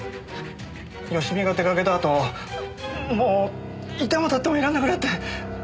佳美が出かけた後もういてもたってもいられなくなって！